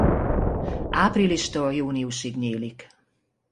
Áprilistól júniusig nyílik.